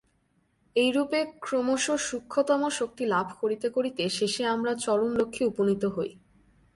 এইরূপে ক্রমশ সূক্ষ্মতম শক্তি লাভ করিতে করিতে শেষে আমরা চরম লক্ষ্যে উপনীত হই।